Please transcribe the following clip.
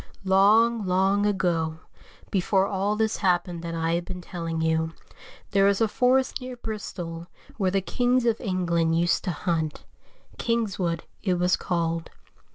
LONG, long ago, before all this happened that I have been telling you, there was a forest near Bristol where the kings of England used to hunt, Kingswood it was called.